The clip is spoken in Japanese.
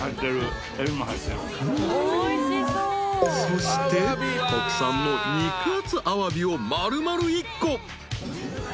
［そして国産の肉厚アワビを丸々１個］